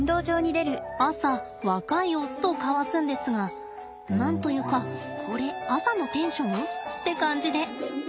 朝若いオスと交わすんですが何と言うかこれ朝のテンション？って感じで。